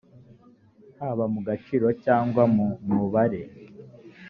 haba mu gaciro cyangwa mu mubare